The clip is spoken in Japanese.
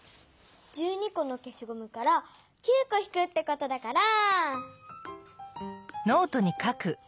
このけしごむから９こひくってことだから。